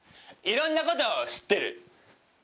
いろんな事を知ってる。